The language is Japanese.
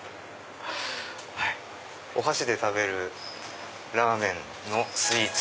お箸で食べるラーメンのスイーツ。